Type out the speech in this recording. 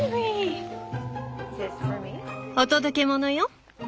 お届け物よ。